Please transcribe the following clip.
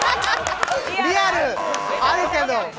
リアル、あるけど。